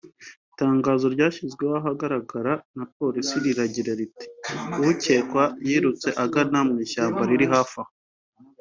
Itangazo ryashyizwe ahagaragara na Polisi rigira riti “Ucyekwa yirutse agana mu ishyamba riri hafi aho